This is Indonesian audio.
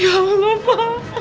ya allah pak